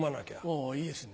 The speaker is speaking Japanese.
あぁいいですね。